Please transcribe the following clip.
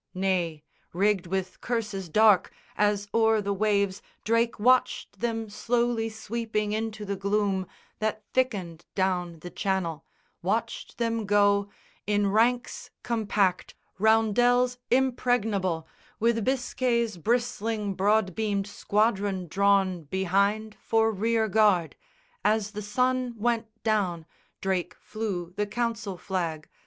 Nay, "rigged with curses dark," as o'er the waves Drake watched them slowly sweeping into the gloom That thickened down the Channel, watched them go In ranks compact, roundels impregnable, With Biscay's bristling broad beamed squadron drawn Behind for rear guard. As the sun went down Drake flew the council flag.